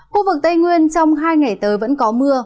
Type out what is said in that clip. khu vực tây nguyên trong hai ngày tới vẫn có mưa